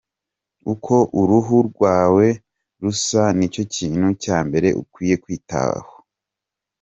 Uko uruhu rwawe rusa nicyo kintu cya mbere ukwiye kwitaho.